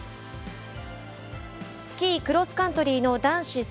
スキークロスカントリーの男子